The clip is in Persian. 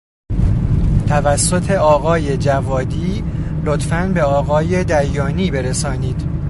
توسط آقای جوادی لطفا به آقای دیانی برسانید